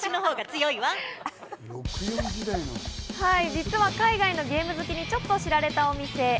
実は海外のゲーム好きにちょっと知られたお店。